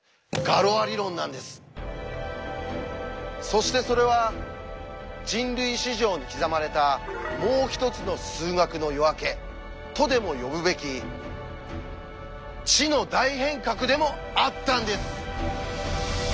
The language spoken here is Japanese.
そしてそれは人類史上に刻まれた「もう一つの数学の夜明け」とでも呼ぶべき「知の大変革」でもあったんです。